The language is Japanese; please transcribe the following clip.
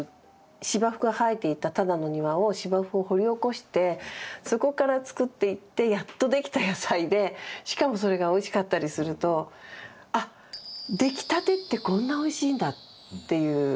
芝生が生えていたただの庭を芝生を掘り起こしてそこから作っていってやっとできた野菜でしかもそれがおいしかったりすると味わえたっていうかな